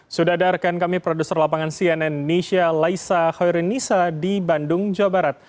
sudah ada rekan kami produser lapangan cnn indonesia laisa hoirinisa di bandung jawa barat